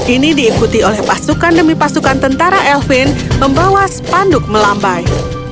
ini diikuti oleh pasukan demi pasukan tentara elvin membawa spanduk melambai